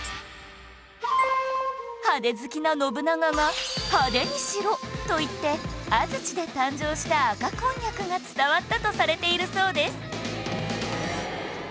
派手好きな信長が「派手にしろ！」と言って安土で誕生した赤こんにゃくが伝わったとされているそうです